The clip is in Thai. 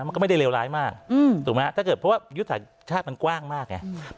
มันก็ไม่ได้เลวร้ายมากถูกไหมครับเพราะว่ายุติศาสตร์ชาติมันกว้างมากเนี่ย